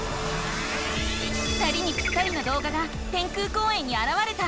２人にぴったりのどうがが天空公園にあらわれた。